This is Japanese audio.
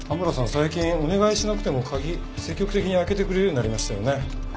最近お願いしなくても鍵積極的に開けてくれるようになりましたよね。